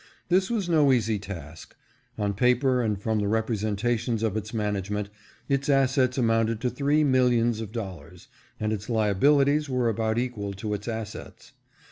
This was no easy task. On paper, and from the representations of its management, its assets amounted to three millions of dollars, and its liabilities were about equal to its assets.